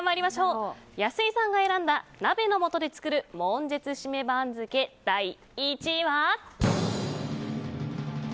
安井さんが選んだ鍋のもとで作る悶絶鍋シメ番付第１位は。